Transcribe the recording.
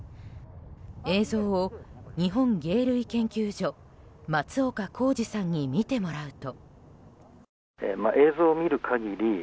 映像を日本鯨類研究所松岡耕二さんに見てもらうと。